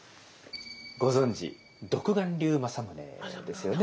ご存じ独眼竜政宗ですよね。